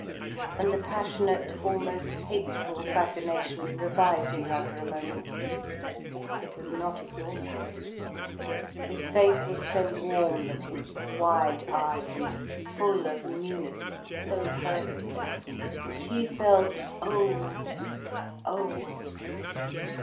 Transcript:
And the passionate almost hateful fascination revived in her for a moment. It was not exhausted. His face was so warm looking, wide eyed and full of newness, so perfect. She felt old, old.